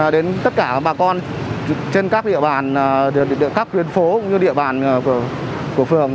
đến tất cả bà con trên các địa bàn các khuyến phố cũng như địa bàn của phường